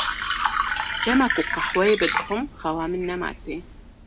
Dema ku qehweyê vedixwim xewa min nema tê.